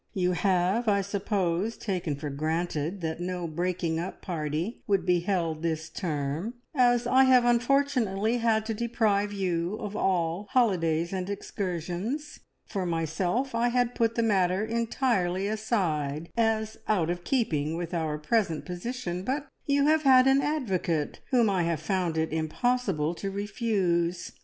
You have, I suppose, taken for granted that no breaking up party would be held this term, as I have unfortunately had to deprive you of all holidays and excursions. For myself, I had put the matter entirely aside, as out of keeping with our present position, but you have had an advocate whom I have found it impossible to refuse.